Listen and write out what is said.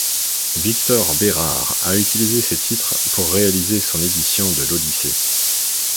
Victor Bérard a utilisé ces titres pour réaliser son édition de l'Odyssée.